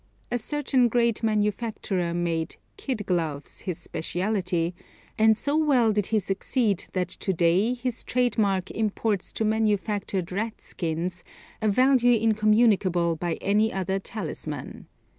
A certain great manufacturer made "kid" gloves his specialty, and so well did he succeed that to day his trade mark imports to manufactured ratskins a value incommunicable by any other talisman.